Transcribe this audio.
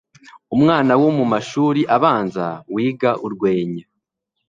umwana wo mu mashuri abanza wiga urwenya